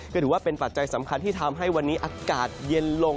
ก็ถือว่าเป็นปัจจัยสำคัญที่ทำให้วันนี้อากาศเย็นลง